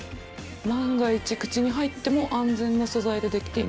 「万が一口に入っても安全な素材で出来ています」。